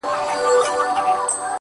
• په سپورږمۍ كي زمــــــــــا زړه دى؛